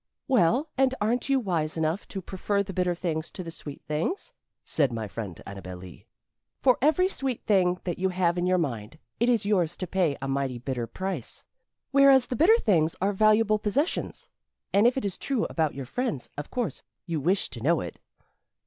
"Well, and aren't you wise enough to prefer the bitter things to the sweet things?" said my friend Annabel Lee. "For every sweet thing that you have in your mind, it is yours to pay a mighty bitter price. Whereas the bitter things are valuable possessions. And if it is true about your friends, of course you wish to know it."